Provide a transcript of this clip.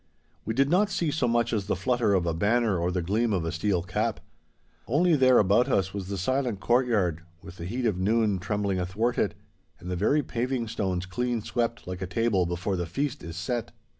We did not see so much as the flutter of a banner or the gleam of a steel cap. Only there about us was the silent courtyard, with the heat of noon trembling athwart it, and the very paving stones clean swept like a table before the feast is set.